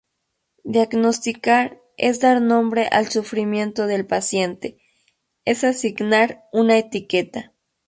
Diagnosticar es dar nombre al sufrimiento del paciente; es asignar una "etiqueta".